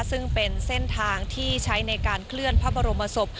ซึ่งเป็นเส้นทางที่ใช้ในการเคลื่อนพระบรมศพ